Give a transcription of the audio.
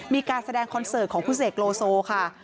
มีการแสดงคอนเสิร์ตของคุณเสกโลโซค่ะ